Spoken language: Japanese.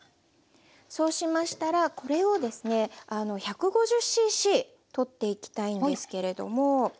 そうしましたらこれをですね１５０ｃｃ取っていきたいんですけれども。